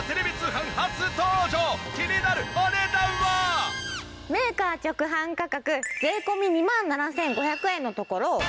ただし今回はメーカー直販価格税込２万７５００円のところ。